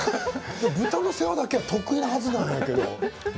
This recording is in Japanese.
豚の世話だけは得意なはずなんだけど。